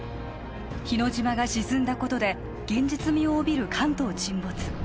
日之島が沈んだことで現実味を帯びる関東沈没